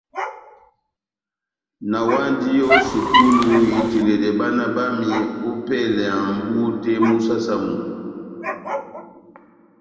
Nawandi ó sukulu itiledɛ bána bámi ópɛlɛ mʼbú tɛ́h mú saha-saha.